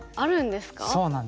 そうなんですよ。